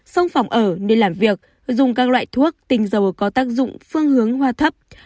một sông phòng ở nơi làm việc dùng các loại thuốc tinh dầu có tác dụng phương hướng hoa thấp